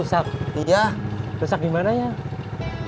saya dulu bang